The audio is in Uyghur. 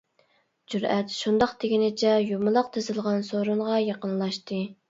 جۈرئەت شۇنداق دېگىنىچە يۇمىلاق تىزىلغان سورۇنغا يېقىنلاشتى.